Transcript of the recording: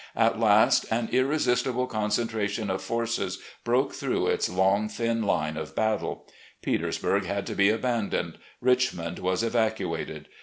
At last, an irresistible concentration of forces broke through its long thin line of battle. Petersburg had to be abandoned. Richmond was evacuated.